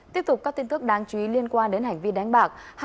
tiếp tục các tin tức đáng chú ý liên quan đến hành vi đánh bạc